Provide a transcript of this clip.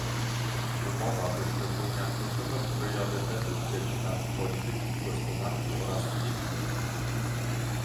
Umowa wyszczególnia kluczowe priorytety w dziedzinach polityki i gospodarki oraz w innych